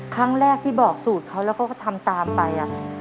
ครั้งแรกที่บอกสูตรเขาแล้วเขาก็ทำตามไป